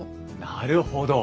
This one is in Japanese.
なるほど。